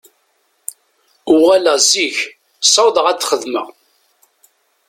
Uɣaleɣ ziɣ, ssawḍeɣ ad t-xedmeɣ.